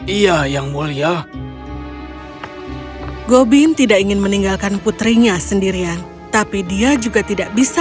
iya yang mulia gobin tidak ingin meninggalkan putrinya sendirian tapi dia juga tidak bisa